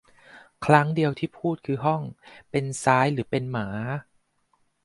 ครั้งเดียวที่พูดคือห้อง เป็นซ้ายหรือเป็นหมา